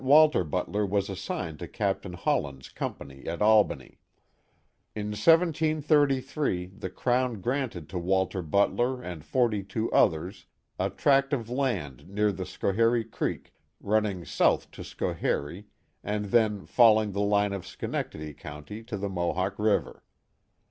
Walter Butler was assigned to Capt. Holland's company at Albany, In 1733 the Crown granted to Walter Butler and forty two others a tract of land near the Schoharie Creek, running south to Schoharie, and then following the line of Schenectady County to the Mohawk River.